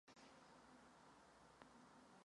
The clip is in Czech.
V té době také začal psát historické romány.